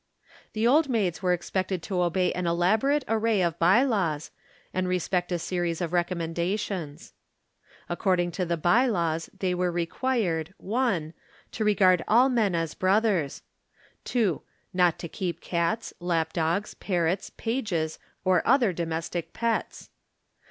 The Old Maids were expected to obey an elaborate array of by laws, and respect a series of recommendations. According to the by laws they were required: 1. To regard all men as brothers. 2. Not to keep cats, lap dogs, parrots, pages, or other domestic pets.